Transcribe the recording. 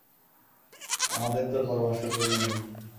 আমাদের তোর পরামর্শের প্রয়োজন নেই।